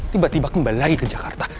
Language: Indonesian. tiba tiba kembali lagi ke jakarta